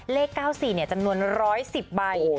เลข๙๔จำนวน๑๑๐ใบ